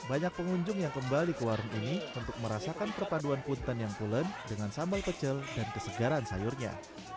banyak pengunjung yang kembali ke warung ini untuk merasakan perpaduan punten yang pulen dengan sambal pecel dan kesegaran sayurnya